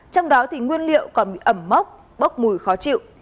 trong đó thì nguyên liệu còn bị ẩm mốc bốc mùi khó chịu